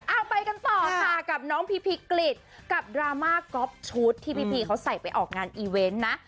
เอาไปกันต่อค่ะกับน้องพีพีกฤษกับดราม่าก๊อฟชุดที่พี่พีเขาใส่ไปออกงานอีเวนต์นะ